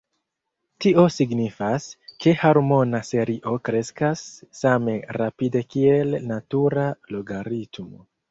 Tio signifas, ke harmona serio kreskas same rapide kiel natura logaritmo.